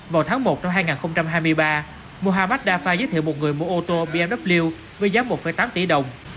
vào tháng một năm hai nghìn hai mươi ba muhammad dafa giới thiệu một người mua ô tô bmw với giá một tám tỷ đồng